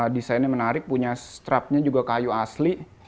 desainnya menarik punya strapnya juga kayu asli